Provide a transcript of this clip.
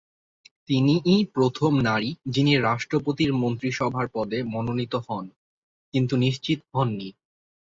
তিনিই প্রথম নারী, যিনি রাষ্ট্রপতির মন্ত্রিসভার পদে মনোনীত হন, কিন্তু নিশ্চিত হননি।